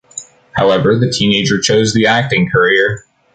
However, the teenager chose the acting career.